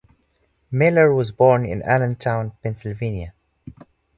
Miller was born in Allentown, Pennsylvania.